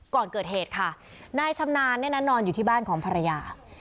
ก่อนเกิดเหตุค่ะนายชำนาญเนี่ยนะนอนอยู่ที่บ้านของภรรยา